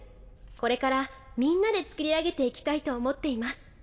これからみんなでつくり上げていきたいと思っています。